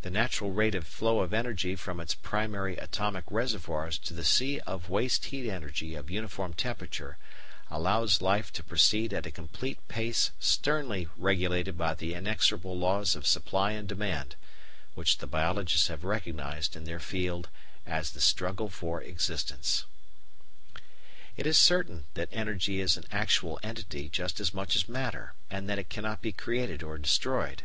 The natural rate of flow of energy from its primary atomic reservoirs to the sea of waste heat energy of uniform temperature, allows life to proceed at a complete pace sternly regulated by the inexorable laws of supply and demand, which the biologists have recognised in their field as the struggle for existence. Matter and Energy, by Professor Soddy. It is certain that energy is an actual entity just as much as matter, and that it cannot be created or destroyed.